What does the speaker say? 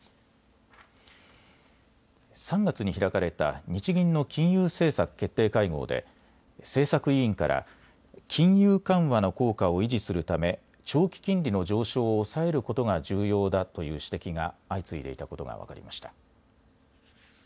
３月に開かれた日銀の金融政策決定会合で政策委員から金融緩和の効果を維持するため長期金利の上昇を抑えることが重要だという指摘が相次いでいたことが分かりました。